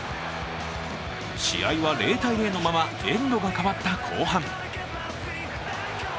試合は０−０のままエンドが変わった後半。